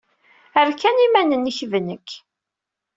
Err kan iman-nnek d nekk.